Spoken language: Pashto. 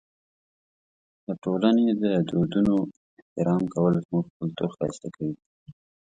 د ټولنې د دودونو احترام کول زموږ کلتور ښایسته کوي.